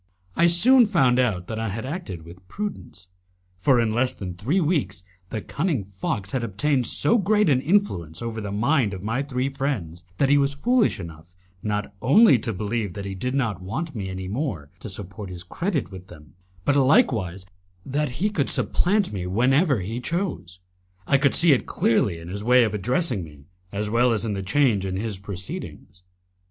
I soon found out that I had acted with prudence, for in less than three weeks the cunning fox had obtained so great an influence over the mind of my three friends that he was foolish enough, not only to believe that he did not want me any more to support his credit with them, but likewise that he could supplant me whenever he chose. I could see it clearly in his way of addressing me, as well as in the change in his proceedings.